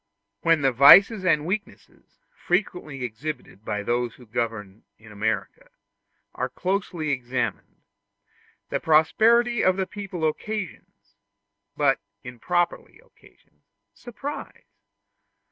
When the vices and weaknesses, frequently exhibited by those who govern in America, are closely examined, the prosperity of the people occasions but improperly occasions surprise.